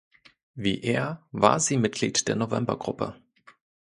Wie er war sie Mitglied der Novembergruppe.